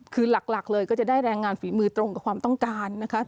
คือหลักเลยก็จะได้แรงงานฝีมือตรงกับความต้องการนะคะ